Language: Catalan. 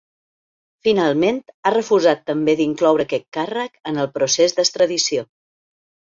Finalment, ha refusat també d’incloure aquest càrrec en el procés d’extradició.